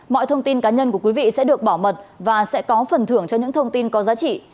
mọi thông tin cá nhân của quý vị sẽ được bảo mật và sẽ có phần thưởng cho những thông tin có giá trị